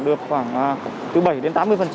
được khoảng từ bảy đến tám mươi